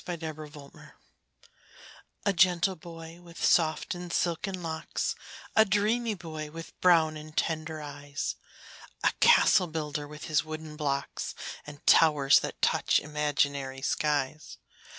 THE CASTLE BUILDER A gentle boy, with soft and silken locks A dreamy boy, with brown and tender eyes, A castle builder, with his wooden blocks, And towers that touch imaginary skies.